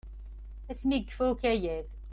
Asmi i yekfa ukayad.